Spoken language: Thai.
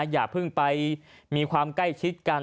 อย่าเพิ่งไปมีความใกล้ชิดกัน